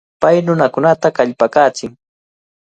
Pay nunakunata kallpakachin.